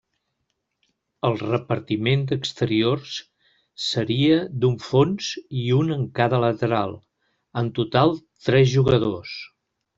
El repartiment d'exteriors seria d'un fons i un en cada lateral, en total tres jugadors.